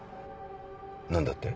何だって？